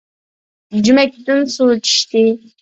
جۈمەكتىن سۇ چۈشتى.